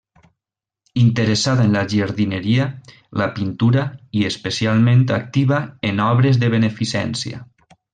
Interessada en la jardinera, la pintura i especialment activa en obres de beneficència.